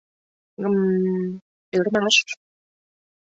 — Гм-м, ӧрмаш!